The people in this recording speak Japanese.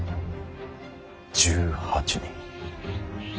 １８人。